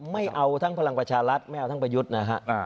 ไม่เอาทั้งพลังประชารัฐไม่เอาทั้งประยุทธ์นะฮะ